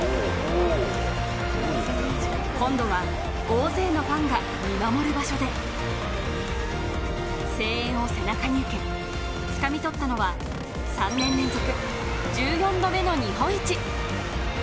今度は大勢のファンが見守る場所で声援を背中に受け、つかみ取ったのは３年連続１４度目の日本一。